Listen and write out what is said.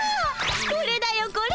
これだよこれ。